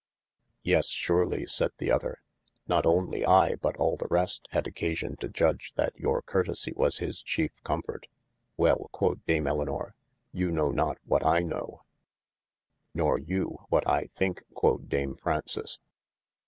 Yes surelye sayde the other, not onelye I but all the rest had occasion to judge that your curtesie was his chiefe com fort. Well, quod Dame Elinor, you knowe not what I knowe. Nor you what I thinke quod Dame Fraunces.